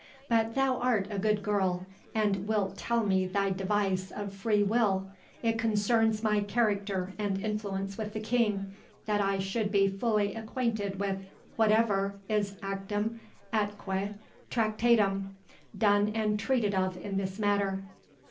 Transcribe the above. But thou art a good girl, and wilt tell me thy device of free will—it concerns my character and influence with the King, that I should be fully acquainted with whatever is actum atque tractatum, done and treated of in this matter."